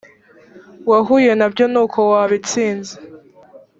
wahuye na byo n uko wabitsinze